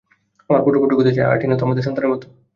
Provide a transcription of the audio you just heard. আমার পুত্রবধূকে তো চাই, আর টিনা তো আমাদের সন্তানের মতো।